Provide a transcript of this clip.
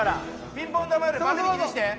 ピンポン球よりバミリ気にして。